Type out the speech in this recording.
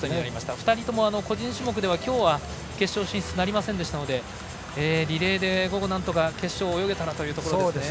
２人とも、個人種目ではきょうは決勝進出なりませんでしたのでリレーでなんとか決勝泳げたらというところですね。